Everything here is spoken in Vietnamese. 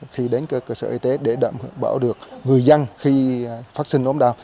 khi đến cơ sở y tế để đảm bảo được người dân khi phát sinh ốm đau